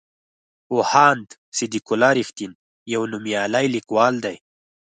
پوهاند صدیق الله رښتین یو نومیالی لیکوال دی.